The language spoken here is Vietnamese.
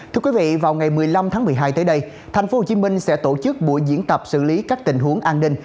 thưa quý vị vào ngày một mươi năm tháng một mươi hai tới đây tp hcm sẽ tổ chức buổi diễn tập xử lý các tình huống an ninh